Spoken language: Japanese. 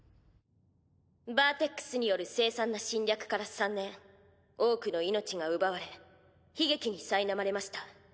バーテックスによる凄惨な侵略から３年多くの命が奪われ悲劇にさいなまれました。